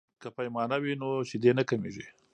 که پیمانه وي نو شیدې نه کمیږي.